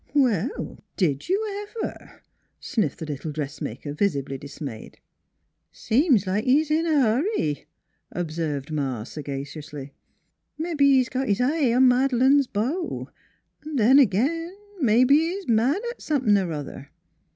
' Well, did you ever !" sniffed the little dress maker, visibly dismayed. " Seems like he's in a hurry," observed Ma sagaciously. " Mebbe he's got his eye on Mad' lane's beau; an' then ag'in, mebbe's he's mad at somethin' er other.